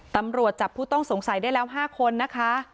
ตำรวจจับผู้ต้องสงสัยได้แล้ว๕คนนะคะ